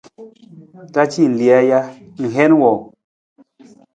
Ra ci lija ja, ng heen wang?